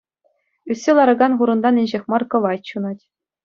Ӳссе ларакан хурӑнтан инҫех мар кӑвайт ҫунать.